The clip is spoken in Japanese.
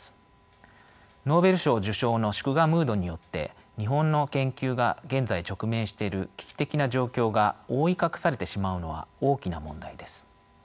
ノーベル賞受賞の祝賀ムードによって日本の研究が現在直面している危機的な状況が覆い隠されてしまうのは大きな問題です。